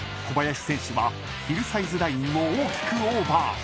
［小林選手はヒルサイズラインを大きくオーバー］